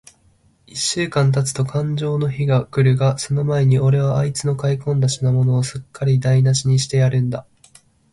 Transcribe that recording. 一週間たつとかんじょうの日が来るが、その前に、おれはあいつの買い込んだ品物を、すっかりだいなしにしてやるんだ。